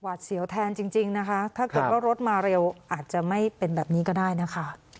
เสียวแทนจริงนะคะถ้าเกิดว่ารถมาเร็วอาจจะไม่เป็นแบบนี้ก็ได้นะคะ